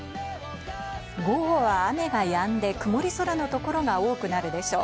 午後は雨がやんで曇り空のところが多くなるでしょう。